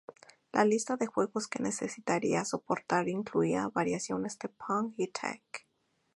La lista de juegos que necesitaría soportar incluía variaciones de Pong y "Tank".